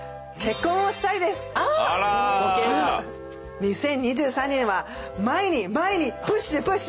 ２０２３年は前に前にプッシュプッシュ。